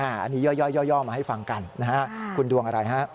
อันนี้ย่อมาให้ฟังกันนะฮะคุณดวงอะไรฮะ